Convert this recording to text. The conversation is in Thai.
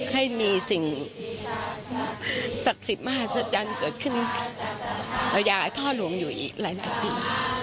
ให้มีสิ่งศักดิ์สิทธิ์มหาศักดิ์จังเกิดขึ้นอยากให้พ่อหลวงอยู่อีกหลายหลายปี